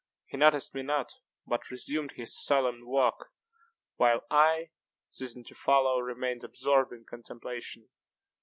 He noticed me not, but resumed his solemn walk, while I, ceasing to follow, remained absorbed in contemplation.